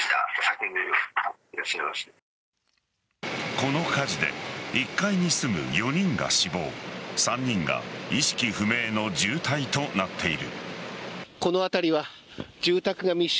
この火事で１階に住む４人が死亡３人が意識不明の重体となっている。